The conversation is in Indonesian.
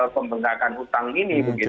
membengkakan hutang ini begitu